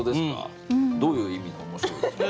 どういう意味の「面白い」ですか？